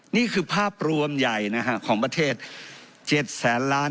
นี่คือภาพรวมใหญ่ของประเทศ๗แสนล้าน